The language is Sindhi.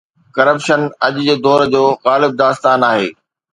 ڪرپشن اڄ جي دور جو غالب داستان آهي.